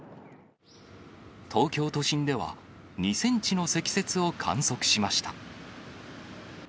東京都心では、２センチの積雪を観測しました。